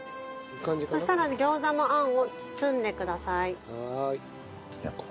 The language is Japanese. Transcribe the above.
そしたら餃子の餡を包んでください。